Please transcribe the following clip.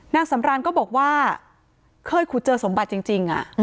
นางสำรานก็บอกว่าเคยขุดเจอสมบัติจริง